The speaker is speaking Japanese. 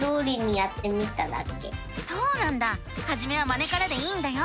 そうなんだはじめはまねからでいいんだよ！